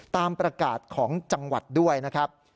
ตามประกาศของจังหวัดด้วยนะครับ